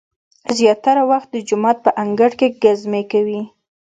زیاتره وخت د جومات په انګړ کې ګزمې کوي.